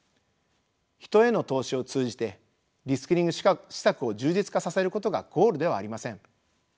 人への投資を通じてリスキリング施策を充実化させることがゴールではありません。